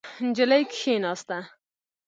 نجلۍ کېناسته.